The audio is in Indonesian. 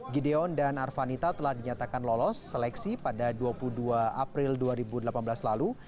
gideon dan arvanita telah dinyatakan lolos seleksi pada dua puluh dua april dua ribu delapan belas lalu